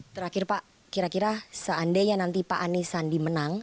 terakhir pak kira kira seandainya nanti pak anisandi menang